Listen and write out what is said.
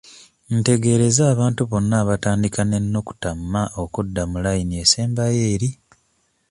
Ntegeereza abantu bonna abatandika n'ennukuta M okudda mu layini esembayo eri.